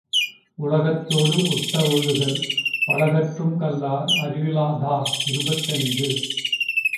உலகத்தோடு ஒட்ட ஒழுகல் பலகற்றும் கல்லார் அறிவிலா தார் இருபத்தைந்து.